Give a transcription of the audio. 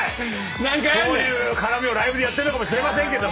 そういう絡みをライブでやってんのかもしれませんけども。